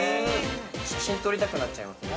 写真撮りたくなっちゃいますね・